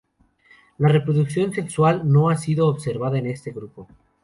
La reproducción sexual no ha sido observada en este grupo.